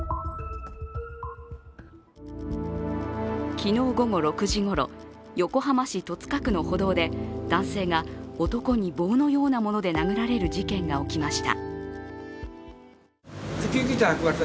昨日午後６時ごろ、横浜市戸塚区の歩道で男性が、男に棒のようなもので殴られる事件が起きました。